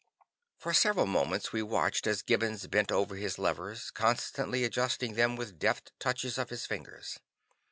For several moments we watched as Gibbons bent over his levers, constantly adjusting them with deft touches of his fingers.